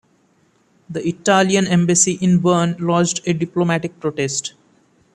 The Italian embassy in Berne lodged a diplomatic protest.